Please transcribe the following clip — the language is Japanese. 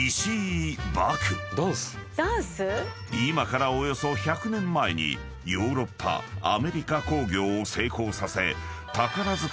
［今からおよそ１００年前にヨーロッパアメリカ興行を成功させ］